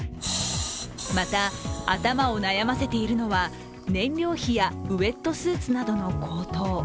また、頭を悩ませているのは、燃料費やウエットスーツなどの高騰。